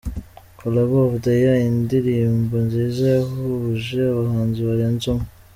Collabo of the year: Indirimbo nziza yahuje abahanzi barenze umwe.